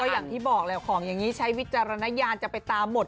อย่างที่บอกของอย่างนี้เฉพาะวิจารณญาณจะไปตามด